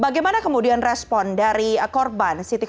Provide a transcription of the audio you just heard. bagaimana kemudian respon dari korban siti kotimah